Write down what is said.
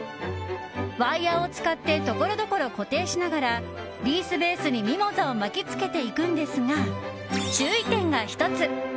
ワイヤを使ってところどころ固定しながらリースベースにミモザを巻き付けていくんですが注意点が１つ。